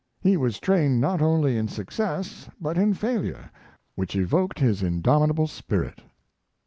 He was trained not only in success, but in failure, which evoked his indomitable spirit.